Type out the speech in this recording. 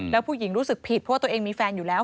แล้วผู้หญิงรู้สึกผิดเพราะว่าตัวเองมีแฟนอยู่แล้ว